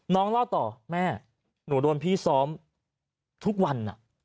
น้องเล่าต่อแม่หนูโดนพี่ซ้อมทุกวัน